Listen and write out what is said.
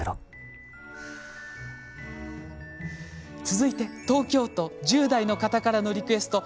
続いて東京都１０代の方からのリクエスト。